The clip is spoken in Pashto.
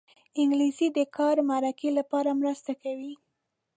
انګلیسي د کاري مرکې لپاره مرسته کوي